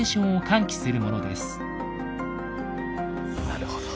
なるほど。